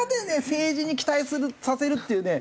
政治に期待させるっていうね